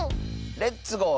「レッツゴー！